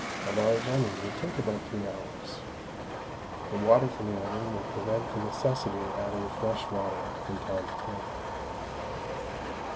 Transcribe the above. A large onion would take about three hours. The water from the onion will prevent the necessity of adding fresh water from time to time.